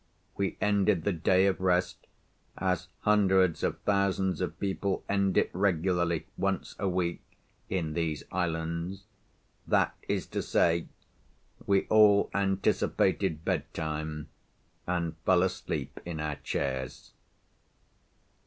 We ended the day of rest, as hundreds of thousands of people end it regularly, once a week, in these islands—that is to say, we all anticipated bedtime, and fell asleep in our chairs.